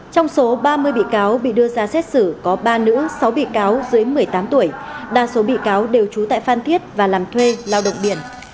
trong số ba mươi bị cáo bị đưa ra xét xử có ba nữ sáu bị cáo dưới một mươi tám tuổi đa số bị cáo đều trú tại phan thiết và làm thuê lao động biển